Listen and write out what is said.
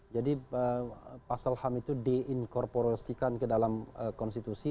jadi pasal ham itu di inkorporasikan ke dalam konstitusi